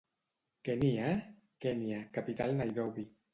—Què n'hi ha? —Kènia, capital Nairobi.